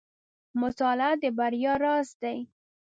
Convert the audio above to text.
• مطالعه د بریا راز دی.